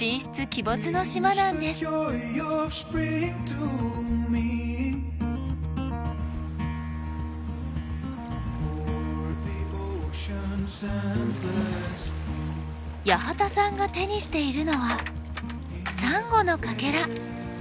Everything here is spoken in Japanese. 八幡さんが手にしているのはサンゴのかけら。